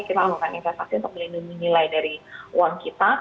kita melakukan investasi untuk melindungi nilai dari uang kita